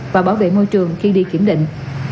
và bảo vệ môi trường khi đi kiểm định